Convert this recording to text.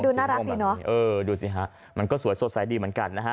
น่ารักดีเนอะเออดูสิฮะมันก็สวยสดใสดีเหมือนกันนะฮะ